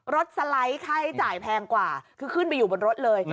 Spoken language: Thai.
สไลด์ค่าใช้จ่ายแพงกว่าคือขึ้นไปอยู่บนรถเลย